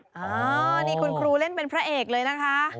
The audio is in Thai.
อันนี้คุณครูเล่นเป็นพระเอกเลยนะคะ